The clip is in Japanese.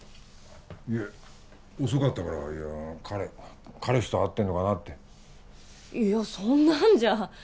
いや遅かったから彼彼氏と会ってんのかなっていやそんなんじゃ